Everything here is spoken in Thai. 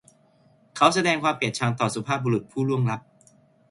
เขาแสดงความเกลียดชังต่อสุภาพบุรุษผู้ล่วงลับ